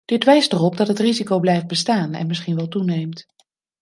Dit wijst erop dat het risico blijft bestaan en misschien wel toeneemt.